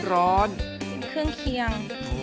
เครื่องเคียง